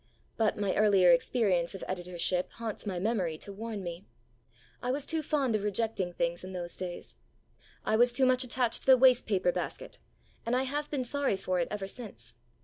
But my earlier experience of editorship haunts my memory to warn me. I was too fond of rejecting things in those days. I was too much attached to the waste paper basket. And I have been sorry for it ever since.